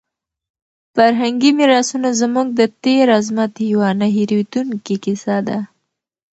فرهنګي میراثونه زموږ د تېر عظمت یوه نه هېرېدونکې کیسه ده.